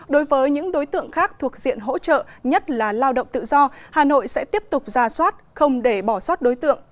đối với những đối tượng khác thuộc diện hỗ trợ nhất là lao động tự do hà nội sẽ tiếp tục ra soát không để bỏ sót đối tượng